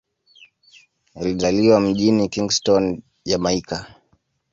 Alizaliwa mjini Kingston, Jamaika.